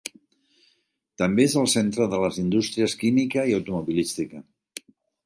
També és el centre de les indústries química i automobilística.